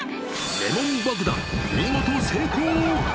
レモン爆弾、見事成功！